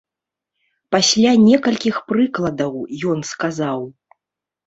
Пасля некалькіх прыкладаў, ён сказаў.